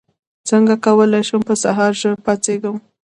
څنګه کولی شم په سهار ژر پاڅېږم